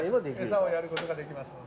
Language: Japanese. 餌をやることができますんで。